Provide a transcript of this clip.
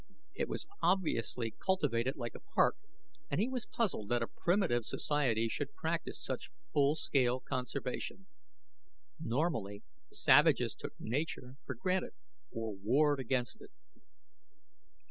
It was obviously cultivated like a park, and he was puzzled that a primitive society should practice such full scale conservation. Normally savages took nature for granted or warred against it.